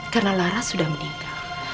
karena laras sudah meninggal